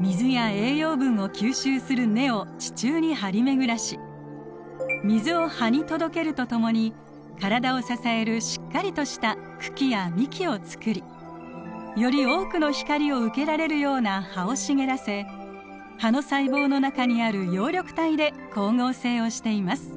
水や栄養分を吸収する根を地中に張り巡らし水を葉に届けるとともに体を支えるしっかりとした茎や幹を作りより多くの光を受けられるような葉を茂らせ葉の細胞の中にある葉緑体で光合成をしています。